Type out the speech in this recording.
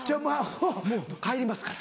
もう帰りますから。